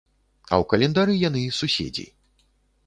А ў календары яны суседзі.